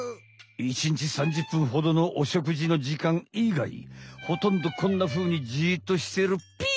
１日３０ぷんほどのお食事の時間いがいほとんどこんなふうにじっとしてるっぴ。